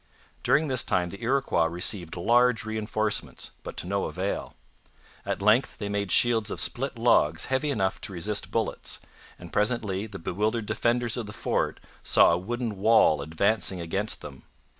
During this time the Iroquois received large reinforcements, but to no avail. At length they made shields of split logs heavy enough to resist bullets; and presently the bewildered defenders of the fort saw a wooden wall advancing against them.